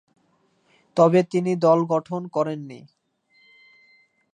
তবে, তিনি দল গঠন করেননি।